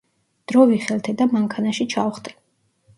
დრო ვიხელთე და მანქანაში ჩავხტი.